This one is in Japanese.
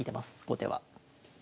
後手は。